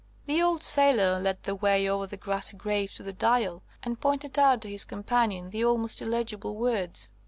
The old sailor led the way over the grassy graves to the Dial, and pointed out to his companion the almost illegible words.